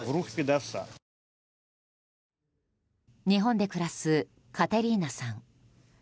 日本で暮らすカテリーナさん。